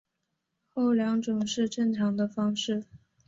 后两种是正常的方式。